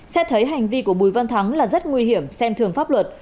xét thấy hành vi của bùi văn thắng là rất nguy hiểm xem thường pháp luật